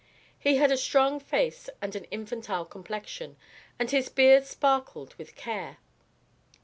He had a strong face and an infantile complexion, and his beard sparkled with care.